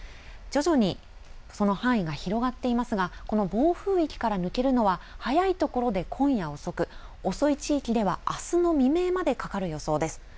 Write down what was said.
徐々に、その範囲が広がっていますがこの暴風域から抜けるのは早い所で今夜遅く、遅い地域ではあすの未明までかかる予想です。